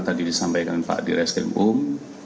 tadi disampaikan pak dirai skrim um